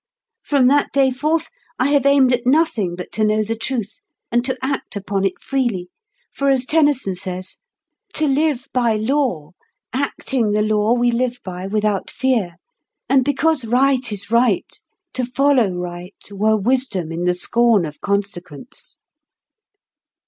From that day forth I have aimed at nothing but to know the Truth, and to act upon it freely; for, as Tennyson says— 'To live by law Acting the law we live by without fear, And because right is right to follow right, Were wisdom in the scorn of consequence.